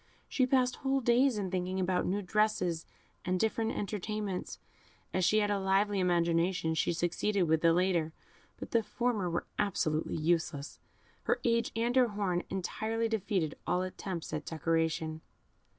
She passed whole days in thinking about new dresses and different entertainments. As she had a lively imagination, she succeeded with the latter, but the former were absolutely useless her age and her horn entirely defeated all attempts at decoration.